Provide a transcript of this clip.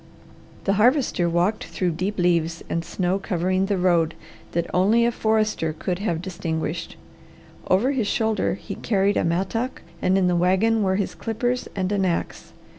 The Harvester walked through deep leaves and snow covering the road that only a forester could have distinguished. Over his shoulder he carried a mattock, and in the wagon were his clippers and an ax.